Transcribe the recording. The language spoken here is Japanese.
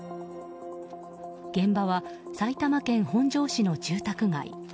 現場は埼玉県本庄市の住宅街。